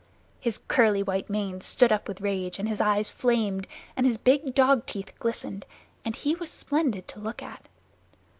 His curly white mane stood up with rage, and his eyes flamed, and his big dog teeth glistened, and he was splendid to look at.